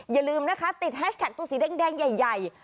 อย่าลืมนะคะติดแฮชแท็กตัวสีแดงใหญ่